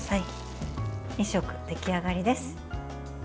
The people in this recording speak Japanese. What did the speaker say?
２色、出来上がりです。